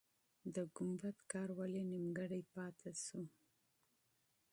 د ګمبد کار ولې نیمګړی پاتې سو؟